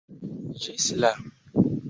Ĝis la!